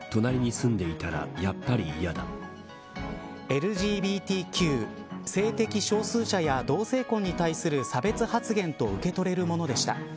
ＬＧＢＴＱ性的少数者や、同性婚に対する差別発言と受けとれるものでした。